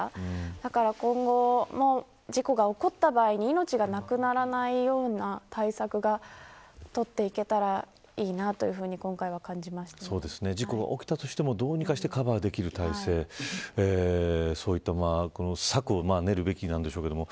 だから、今後も事故が起こった場合に命がなくならないような対策が取っていけたらいいな事故が起きたとしてもどうにかしてカバーできる体制そういった策を練るべきなんでしょうけど。